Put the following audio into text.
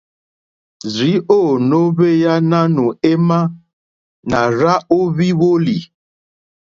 Rzìi ò no ohweya nanù ema, na rza ohvi woli.